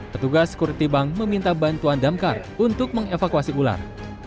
petugas security bank meminta bantuan damkar untuk mengevakuasi ular